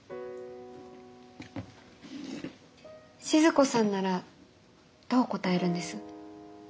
静子さんならどう答えるんです？